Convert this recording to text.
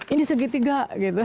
ini segi tiga gitu